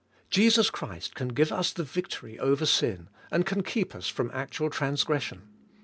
Jesus Christ can give us the victory over sin, and can keep us from actual transgression.